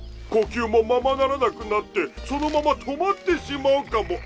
呼吸もままならなくなってそのまま止まってしまうかも。